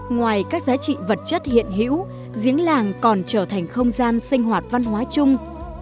ngoài các giá trị vật chất hiện hữu giếng làng còn trở thành không gian sinh hoạt văn hóa chung